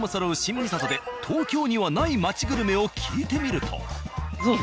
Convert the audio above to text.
三郷で東京にはない街グルメを聞いてみると。